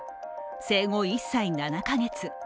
生後１歳７か月。